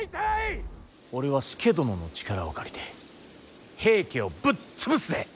俺は佐殿の力を借りて平家をぶっ潰すぜ。